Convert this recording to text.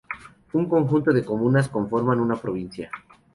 Un conjunto de comunas conforman una provincia.